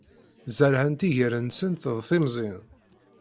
Zerɛent iger-nsent d timẓin.